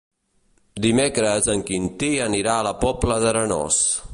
Dimecres en Quintí anirà a la Pobla d'Arenós.